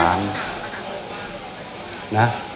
อะไรนะ